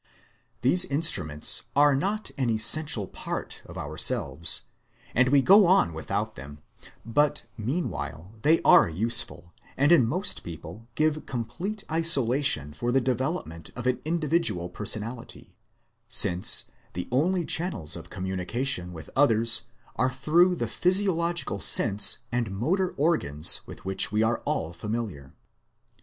These instruments are not an essential part of ourselves, and we go on without them, but meanwhile they are useful, and in most people give complete isolation for the development of an indi vidual personality, since the only channels of communication with others are through the physiological sense and motor organs with which we are all familiar.